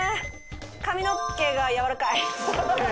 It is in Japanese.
髪の毛が柔らかい。